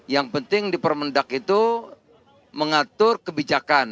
yang penting di permendak itu mengatur kebijakan